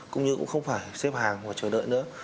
cũng như cũng không phải xếp hàng hoặc chờ đợi nữa